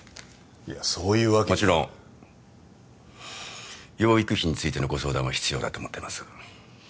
いやそういうわけにはもちろん養育費についてのご相談は必要だと思ってます